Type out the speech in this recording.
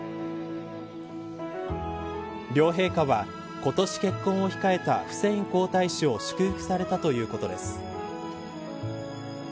両陛下は今年結婚を控えたフセイン皇太子を祝福されたということです。